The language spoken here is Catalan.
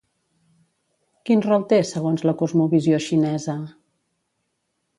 Quin rol té segons la cosmovisió xinesa?